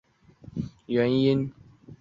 唯康文署未有回覆加设栏杆的原因。